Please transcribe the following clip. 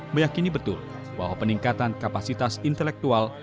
meyakini betul bahwa peningkatan kapasitas intelektual